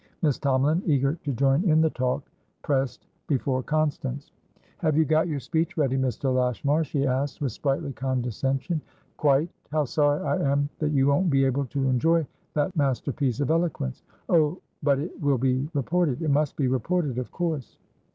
Miss Tomalin, eager to join in the talk, pressed before Constance. "Have you got your speech ready, Mr. Lashmar?" she asked, with sprightly condescension. "Quite. How sorry I am that you won't be able to enjoy that masterpiece of eloquence!" "Oh, but it will be reported. It must be reported, of course."